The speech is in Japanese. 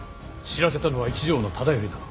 知らせたのは一条忠頼殿。